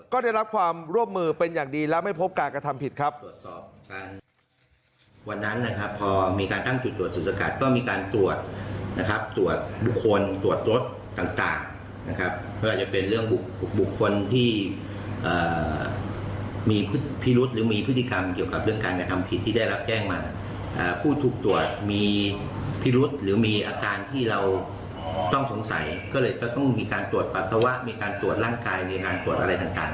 ก็ได้รับความร่วมมือเป็นอย่างดีและไม่พบการกระทำผิดครับ